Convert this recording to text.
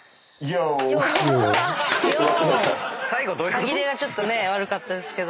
歯切れがちょっとね悪かったですけど。